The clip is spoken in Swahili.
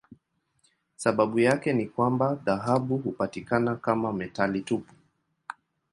Sababu yake ni kwamba dhahabu hupatikana kama metali tupu.